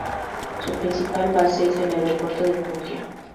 Su principal base es el Aeropuerto de Foggia.